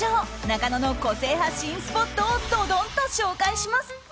中野の個性派新スポットをドドンと紹介します。